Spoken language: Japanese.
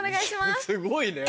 すごいね。